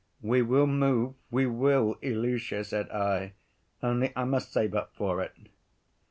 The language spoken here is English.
'We will move, we will, Ilusha,' said I, 'only I must save up for it.